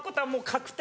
・確定？